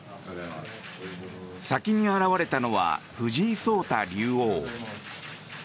先に現れたのは藤井聡太竜王。